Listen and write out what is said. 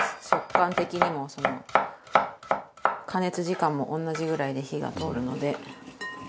食感的にもその加熱時間も同じぐらいで火が通るので。